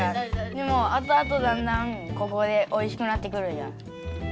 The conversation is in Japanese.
でもあとあとだんだんここでおいしくなってくるんや。